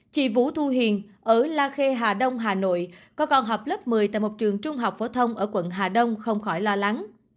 chị vũ thu hiền ở la khê hà đông hà nội có con học lớp một mươi tại một trường trung học phổ thông ở quận hà đông không khỏi lo lắng